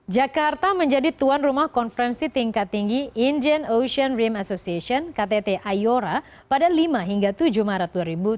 jakarta menjadi tuan rumah konferensi tingkat tinggi indian ocean rem association ktt iora pada lima hingga tujuh maret dua ribu dua puluh